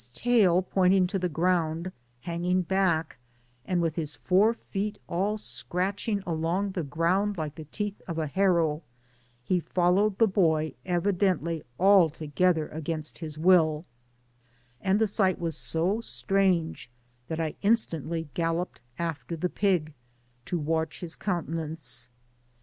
tail pointing to the ground, hanging back, and Mith his four feet all scratching along the ground like the teeth of a harrow, he followed the boy evidently altogether against his wiU; and the sight was so strange, that I instantly galloped after the pig, to watch his countenance.